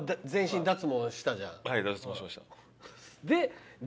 はい脱毛しました。